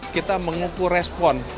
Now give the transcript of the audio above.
kita mengukur respon